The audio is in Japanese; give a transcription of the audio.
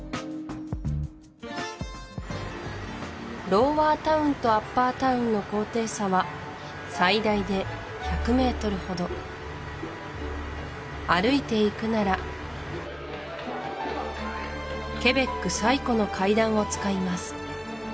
ロウワータウンとアッパータウンの高低差は最大で１００メートルほど歩いて行くならケベック最古の階段を使います